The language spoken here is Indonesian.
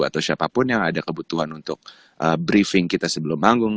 atau siapapun yang ada kebutuhan untuk briefing kita sebelum manggung